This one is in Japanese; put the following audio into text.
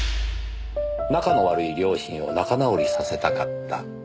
仲の悪い両親を仲直りさせたかった。